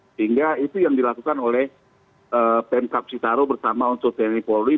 sehingga itu yang dilakukan oleh pemkab sitaru bersama untuk tni polri